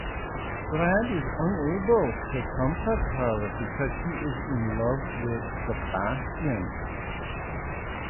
Brad is unable to comfort her because she is in love with Sebastian.